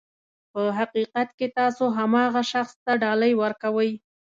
په حقیقت کې تاسو هماغه شخص ته ډالۍ ورکوئ.